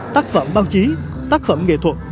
tác phẩm báo chí tác phẩm nghệ thuật